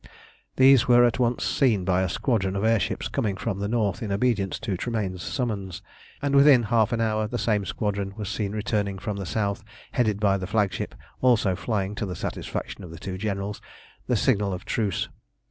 These were at once seen by a squadron of air ships coming from the north in obedience to Tremayne's summons, and within half an hour the same squadron was seen returning from the south headed by the flagship, also flying, to the satisfaction of the two generals, the signal of truce.